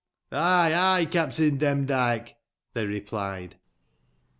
" Ay, ay, Captain Demdike," they replied.